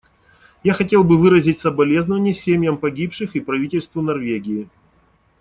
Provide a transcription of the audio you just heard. Я хотел бы выразить соболезнование семьям погибших и правительству Норвегии.